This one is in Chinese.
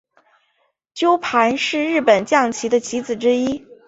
鸠盘是日本将棋的棋子之一。